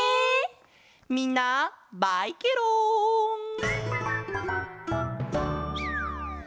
みんなバイケロン！